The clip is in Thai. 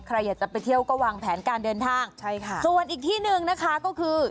ใครอยากจะไปเที่ยวก็วางแผนการเดินทางใช่ค่ะส่วนอีกที่หนึ่งนะคะก็คือ